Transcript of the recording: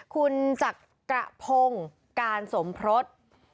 คุณจักระพงการสมพรต